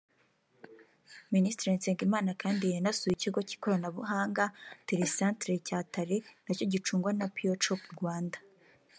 Minisitiri Nsengimana kandi yanasuye ikigo cy’ikoranabuhanga (telecentre) cya Tare nacyo gicungwa na Biocoop Rwanda